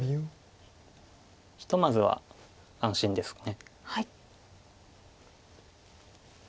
ひとまずは安心ですか。